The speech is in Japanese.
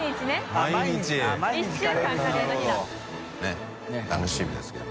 佑楽しみですけど。